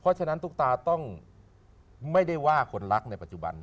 เพราะฉะนั้นตุ๊กตาต้องไม่ได้ว่าคนรักในปัจจุบัน